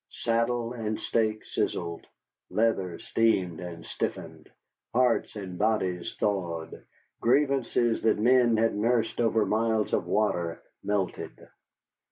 Saddle and steak sizzled, leather steamed and stiffened, hearts and bodies thawed; grievances that men had nursed over miles of water melted.